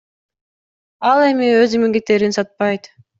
Ал эми өз эмгектерин сатпайт.